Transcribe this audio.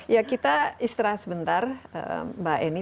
ya kita istirahat sebentar mbak eni